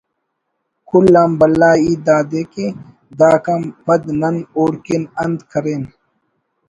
کل آن بھلا ہیت دادے کہ داکان پد نن اوڑکن انت کرین